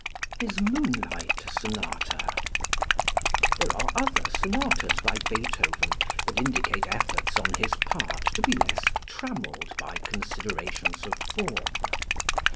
His "Moonlight Sonata." There are other sonatas by Beethoven that indicate efforts on his part to be less trammeled by considerations of form.